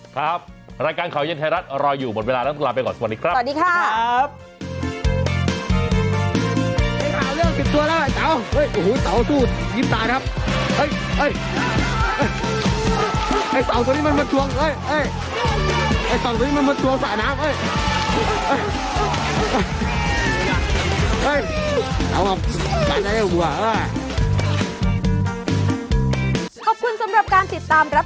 ครับรายการข่าวเย็นไทยรัฐรออยู่หมดเวลาแล้วต้องลาไปก่อนสวัสดีครับสวัสดีค่ะ